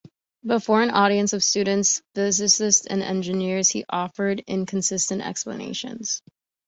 Before an audience of students, physicists and engineers he offered inconsistent explanations.